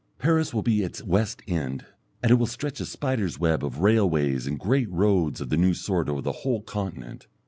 Paris will be its West End, and it will stretch a spider's web of railways and great roads of the new sort over the whole continent.